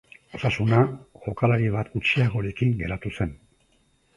Osasuna jokalari bat gutxiagorekin geratu zen.